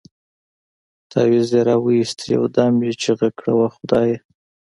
تاويز يې راوايست يو دم يې چيغه کړه وه خدايه.